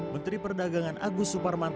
menteri perdagangan agus suparmanto